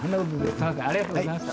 すみませんありがとうございました。